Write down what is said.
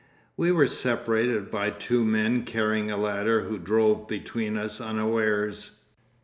We were separated by two men carrying a ladder who drove between us unawares.